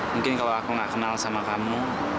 mungkin kalau aku nggak kenal sama kamu